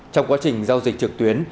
trong quá trình giao dịch trực tuyến